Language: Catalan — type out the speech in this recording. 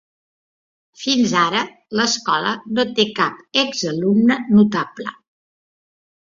Fins ara, l'escola no té cap exalumne notable.